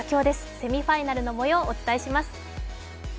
セミファイナルのもようをお伝えします。